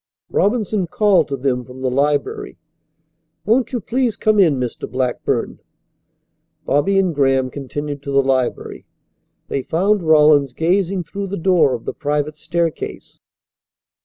Robinson called to them from the library. "Won't you please come in, Mr. Blackburn?" Bobby and Graham continued to the library. They found Rawlins gazing through the door of the private staircase.